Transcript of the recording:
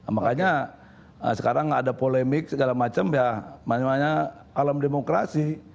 makanya sekarang ada polemik segala macam ya alam demokrasi